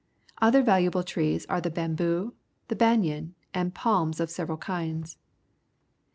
Other valuable trees are the b amboo. the banyan, and palms of several kinds.